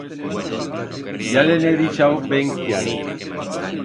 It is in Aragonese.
Ya le'n he dixau ben cllaro.